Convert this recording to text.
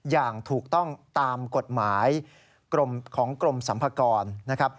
อย่างถูกต้องตามกฎหมายของกรมสัมภากรนะครับ